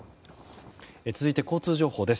続いて交通情報です。